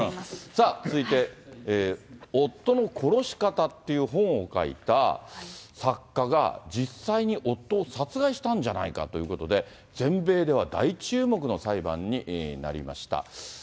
さあ続いて、夫の殺し方っていう本を書いた作家が、実際に夫を殺害したんじゃないかということで、全米では大注目の裁判になりました。